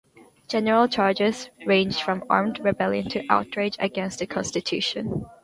General charges ranged from armed rebellion to "outrage against the constitution".